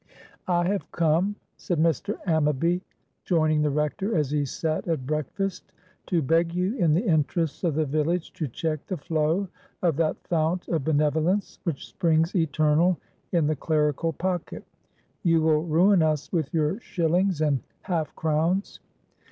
"I have come," said Mr. Ammaby, joining the Rector as he sat at breakfast, "to beg you, in the interests of the village, to check the flow of that fount of benevolence which springs eternal in the clerical pocket. You will ruin us with your shillings and half crowns."